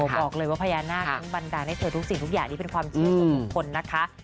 บอกเลยว่าพญานาคนั้นบันดาลให้เธอทุกสิ่งทุกอย่างนี้เป็นความเชื่อส่วนบุคคลนะคะ